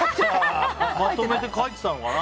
まとめて書いてたのかな？